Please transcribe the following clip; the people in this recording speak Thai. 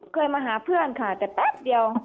เคยมาหาเพื่อนค่ะแต่แป๊บเดียว